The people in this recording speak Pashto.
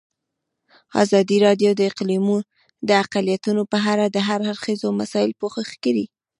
ازادي راډیو د اقلیتونه په اړه د هر اړخیزو مسایلو پوښښ کړی.